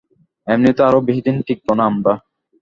এমনিতেও আর বেশিদিন টিকবো না আমরা।